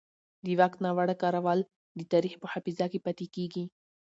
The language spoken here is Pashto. د واک ناوړه کارول د تاریخ په حافظه کې پاتې کېږي